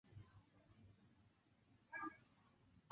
报纸创刊号亦于当日于全港十六处地方免费派发。